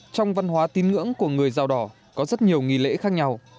trong văn hóa tín ngưỡng của người dao đỏ có rất nhiều nghi lễ khác nhau